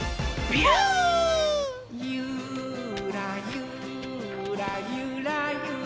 「ゆーらゆーらゆらゆらりー」